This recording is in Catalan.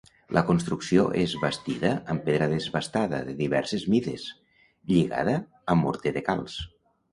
La construcció és bastida amb pedra desbastada de diverses mides, lligada amb morter de calç.